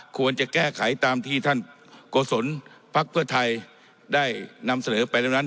ควรจะแก้ไขตามที่ท่านโกศลพักเพื่อไทยได้นำเสนอไปแล้วนั้น